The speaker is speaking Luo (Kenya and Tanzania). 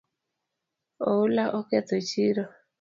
Oula oketho chiro